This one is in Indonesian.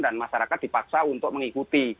dan masyarakat dipaksa untuk mengikuti